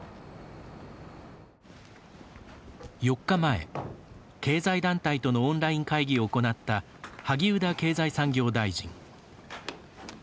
４日前、経済団体とのオンライン会議を行った萩生田経済産業大臣。